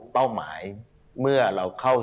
เป้าหมายเมื่อเราเข้าสู่